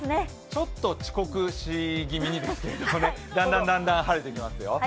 ちょっと遅刻し気味にだんだん晴れてきますよ。